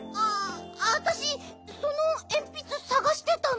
わたしそのえんぴつさがしてたの。